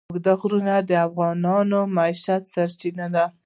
اوږده غرونه د افغانانو د معیشت سرچینه ده.